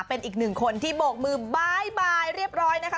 เป็นอีกหนึ่งคนที่โบกมือบ๊ายบายเรียบร้อยนะคะ